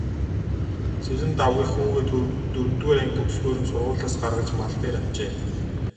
Цэрэндагвынх хүүгээ дөрөвдүгээр анги төгсөхөөр нь сургуулиас гаргаж мал дээр авчээ.